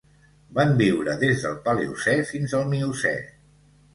Van viure des del Paleocè fins al Miocè.